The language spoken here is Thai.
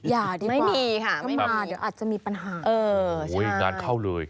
ยากดีกว่าถ้ามาเดี๋ยวอาจจะมีปัญหาใช่ไหมคะโอ้โฮงานเข้าเลย